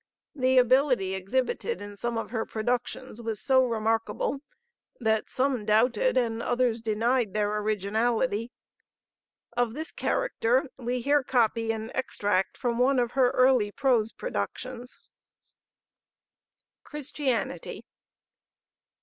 The ability exhibited in some of her productions was so remarkable that some doubted and others denied their originality. Of this character we here copy an extract from one of her early prose productions: CHRISTIANITY.